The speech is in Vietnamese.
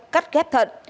cắt ghép thận